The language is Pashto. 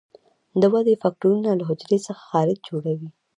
د ودې فکټورونه له حجرې څخه خارج جوړیږي.